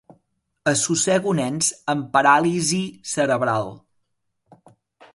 Assossego nens amb paràlisi cerebral.